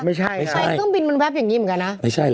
ไม่ใช่นะขยัดของเครื่องบินมันแป๊บอย่างนี้เหมือนกันนะไม่ใช่